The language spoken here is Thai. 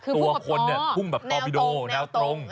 ตัวคนเนี่ยพุ่งแบบตอบิโดแนวตรง